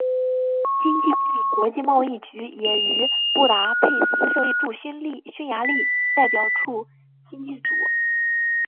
经济部国际贸易局也于布达佩斯设立驻匈牙利代表处经济组。